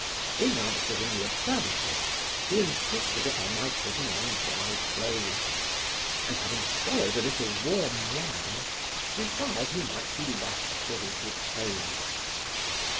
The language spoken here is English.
Being answered in the affirmative, he insisted upon my putting on dry clothes; and, having swallowed a little warm wine, desired he might be left to his repose.